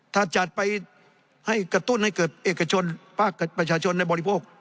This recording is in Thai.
ถ้าจัดไปให้กระตุ้นให้เกิดเอกชนภาคประชาชนในบริโภค